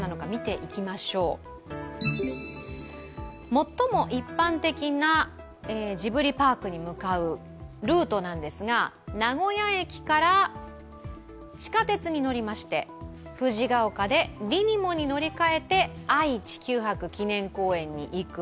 最も一般的なジブリパークに向かうルートなんですが名古屋駅から地下鉄に乗りまして藤が丘でリニモに乗り換えて愛・地球博記念公園に行く。